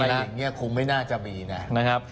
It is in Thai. อะไรอย่างนี้คุ้มไม่น่าจะมีนะ